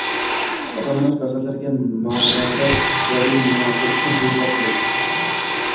Ota-ona farzandlariga manodor, chiroyli, munosib ism qo‘yishi kerak